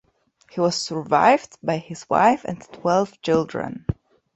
He was survived by his wife and twelve children.